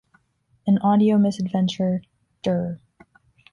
An Audio Misadventure, dir.